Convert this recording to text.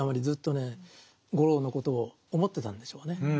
ずっとね五郎のことを思ってたんでしょうね。